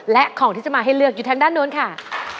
และของที่จะมาให้เลือกอยู่ทางด้านโน้นค่ะ